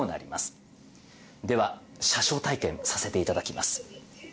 では、車掌体験させていただきます。